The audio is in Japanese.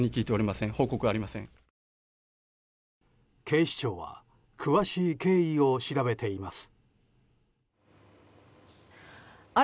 警視庁は詳しい経緯を調べています。